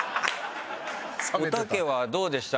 おたけはどうでした？